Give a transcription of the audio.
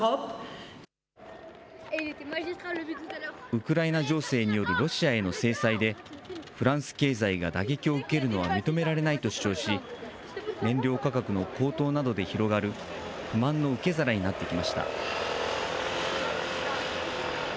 ウクライナ情勢によるロシアへの制裁で、フランス経済が打撃を受けるのは認められないと主張し、燃料価格の高騰などで広がる不満の受け皿になってきました。